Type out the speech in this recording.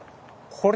これ！？